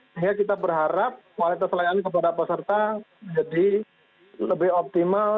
sehingga kita berharap kualitas layanan kepada peserta jadi lebih optimal